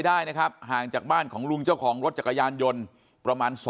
ได้นะครับห่างจากบ้านของลุงเจ้าของรถจักรยานยนต์ประมาณ